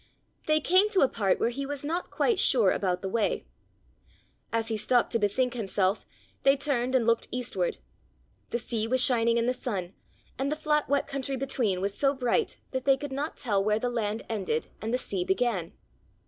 They came to a part where he was not quite sure about the way. As he stopped to bethink himself, they turned and looked eastward. The sea was shining in the sun, and the flat wet country between was so bright that they could not tell where the land ended and the sea began.